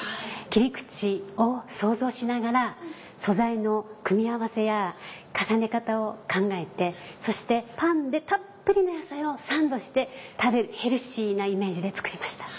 切り口を想像しながら素材の組み合わせや重ね方を考えてそしてパンでたっぷりの野菜をサンドして食べるヘルシーなイメージで作りました。